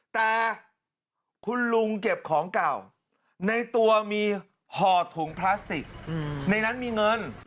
แต่คุณลุงเก็บของเก่าในตัวมีห่อถุงพลาสติกในนั้นมีเงิน